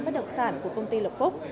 bất động sản của công ty lộc phúc